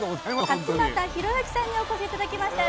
勝俣浩行さんにお越しいただきました